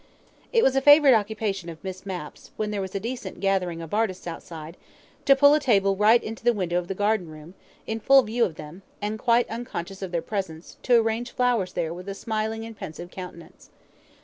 It was a favourite occupation of Miss Mapp's, when there was a decent gathering of artists outside, to pull a table right into the window of the garden room, in full view of them, and, quite unconscious of their presence, to arrange flowers there with a smiling and pensive countenance.